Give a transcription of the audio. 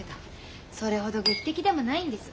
それほど劇的でもないんです。